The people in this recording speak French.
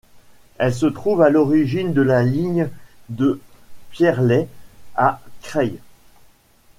Elle se trouve à l'origine de la ligne de Pierrelaye à Creil.